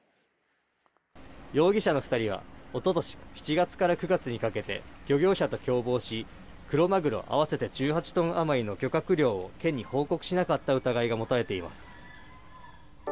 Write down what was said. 容疑者の２人は一昨年の７月から９月にかけて漁業者と共謀してクロマグロ合わせて１８トン余りの漁獲量を県に報告しなかった疑いが持たれています。